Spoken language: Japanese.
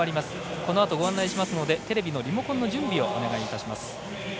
このあとご案内しますのでテレビのリモコンの準備をお願いいたします。